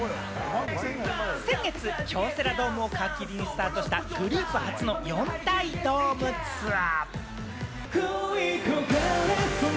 先月、京セラドームを皮切りにスタートした、グループ初の４大ドームツアー。